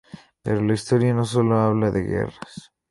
Pero la historia no sólo habla de guerras.